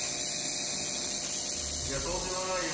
いや、とんでもないよ。